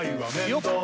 よっ！